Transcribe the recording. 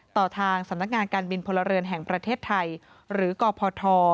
ต่อทางสำนักงานการบินพลเรือนแห่งประเทศไทยหรือกพท